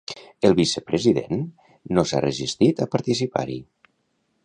El vicepresident no s'ha resistit a participar-hi.